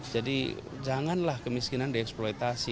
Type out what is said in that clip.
jadi janganlah kemiskinan dieksploitasi